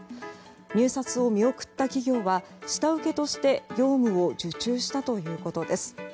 入札を見送った企業は下請けとして業務を受注したということです。